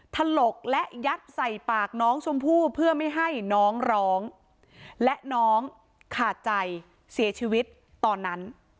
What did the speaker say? ถลกและยัดใส่ปากน้องชมพู่เพื่อไม่ให้น้องร้องและน้องขาดใจเสียชีวิตตอนนั้น